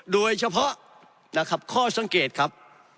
โดยเฉพาะนะครับข้อสังเกตครับ